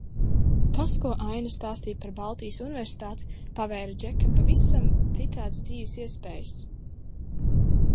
Tas, ko Aina stāstīja par Baltijas Universitāti, pavēra Džekam pavisam citādas dzīves iespējas.